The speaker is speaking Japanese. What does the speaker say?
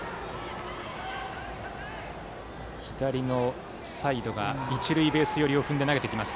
左のサイドが一塁ベース寄りを踏んで投げてきます。